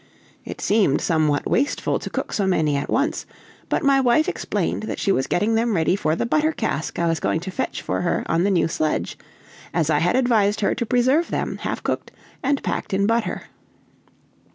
It seemed somewhat wasteful to cook so many at once; but my wife explained that she was getting them ready for the butter cask I was going to fetch for her on the new sledge, as I had advised her to preserve them half cooked, and packed in butter.